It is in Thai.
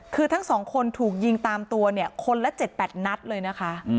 คือทั้งสองคนถูกยิงตามตัวเนี่ยคนละ๗๘นัดเลยนะคะ